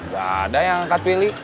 gak ada yang angkat pilih